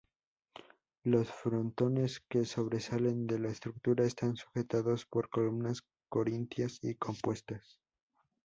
Los frontones, que sobresalen de la estructura, están sujetados por columnas corintias y compuestas.